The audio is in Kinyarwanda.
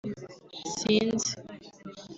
Sinzi